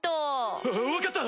わかった！